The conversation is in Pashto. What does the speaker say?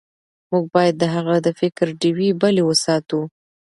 موږ باید د هغه د فکر ډیوې بلې وساتو.